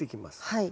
はい。